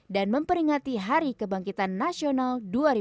dan memperingati hari kebangkitan nasional dua ribu tujuh belas